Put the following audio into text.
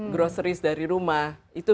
groceries dari rumah itu